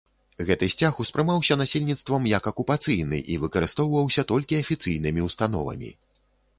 Гэты сцяг успрымаўся насельніцтвам як акупацыйны і выкарыстоўваўся толькі афіцыйнымі ўстановамі.